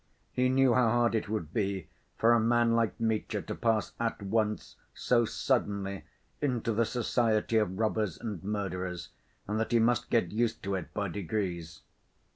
He knew how hard it would be for a man like Mitya to pass at once so suddenly into the society of robbers and murderers, and that he must get used to it by degrees.